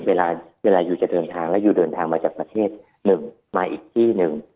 เวลาอยู่ดันทางมาจากประเทศ๑มาอีกที่๑